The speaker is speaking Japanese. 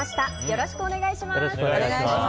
よろしくお願いします。